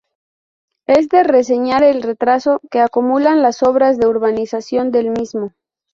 Es de reseñar el retraso que acumulan las obras de urbanización del mismo.